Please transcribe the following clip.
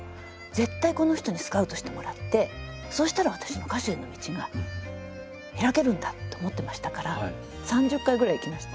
「絶対この人にスカウトしてもらってそうしたら私の歌手への道が開けるんだ」って思ってましたから３０回ぐらい行きました。